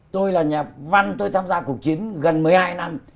tôi là nhà văn tôi tham gia cuộc chiến gần một mươi hai năm